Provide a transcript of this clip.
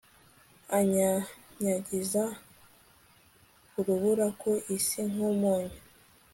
anyanyagiza urubura ku isi nk'umunyu